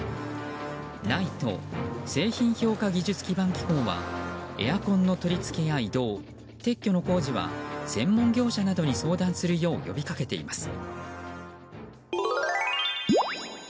ＮＩＴＥ・製品評価技術基盤機構はエアコンの取り付けや移動撤去の工事は専門業者などに相談するよう呼びかけています。